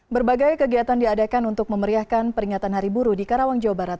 berbagai kegiatan diadakan untuk memeriahkan peringatan hari buru di karawang jawa barat